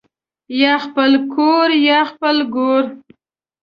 یا خپل کورریا خپل ګور